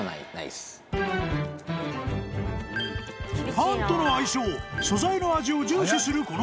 ［パンとの相性素材の味を重視するこの男］